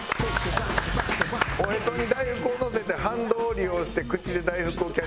おへそに大福をのせて反動を利用して口で大福をキャッチできれば成功。